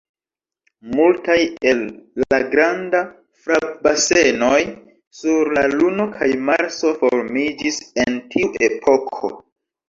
Multaj el la granda frapbasenoj sur la Luno kaj Marso formiĝis en tiu epoko.